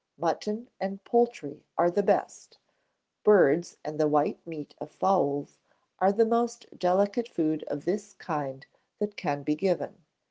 Mutton and poultry are the best. Birds and the white meat of fowls are the most delicate food of this kind that can be given.